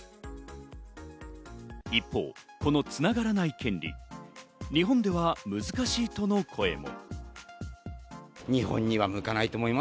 一方、このつながらない権利、日本では難しいとの声も。